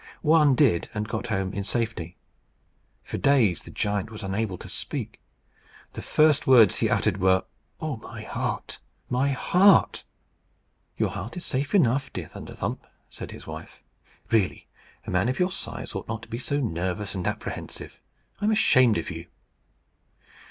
One did, and got home in safety. For days the giant was unable to speak. The first words he uttered were, "Oh, my heart! my heart!" "Your heart is safe enough, dear Thunderstump," said his wife. "Really, a man of your size ought not to be so nervous and apprehensive. I am ashamed of you."